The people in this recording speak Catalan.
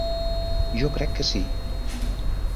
-Jo crec que sí…